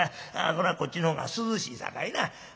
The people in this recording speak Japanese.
これはこっちの方が涼しいさかいな。